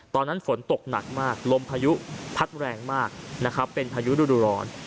ตอนนั้นฝนตกหนักมากลมพายุพัดแรงมากนะครับเป็นพายุฤดูร้อน